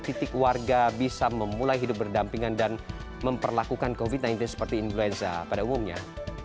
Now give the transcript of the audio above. titik warga bisa memulai hidup berdampingan dan memperlakukan covid sembilan belas seperti influenza pada umumnya